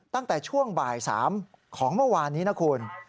ตั้งแต่ช่วงบ่าย๓ของเมื่อวานนี้นะคุณ